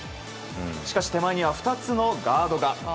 しかし、手前には２つのガードが。